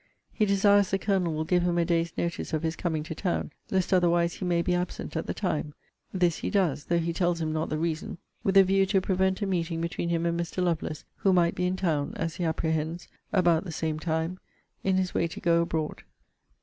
He desires the Colonel will give him a day's notice of his coming to town, lest otherwise he may be absent at the time this he does, though he tells him not the reason, with a view to prevent a meeting between him and Mr. Lovelace; who might be in town (as he apprehends,) about the same time, in his way to go abroad.